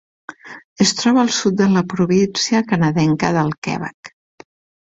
Es troba al sud de la província canadenca del Quebec.